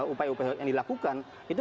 upaya upaya yang dilakukan itu